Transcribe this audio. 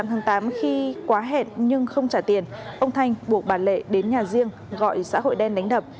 ông không trả tiền ông thanh buộc bà lệ đến nhà riêng gọi xã hội đen đánh đập